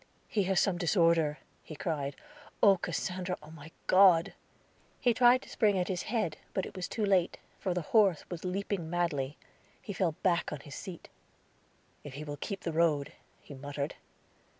"He has some disorder," he cried. "Oh, Cassandra! My God!" He tried to spring at his head, but was too late, for the horse was leaping madly. He fell back on his seat. "If he will keep the road," he muttered.